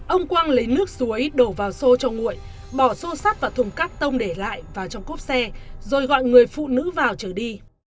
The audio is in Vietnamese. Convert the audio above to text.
ông quang lấy nước suối đổ vào xô cho nguội bỏ xô sắt và thùng cát tông để lại vào trong cốp xe rồi gọi người phụ nữ vào chở đi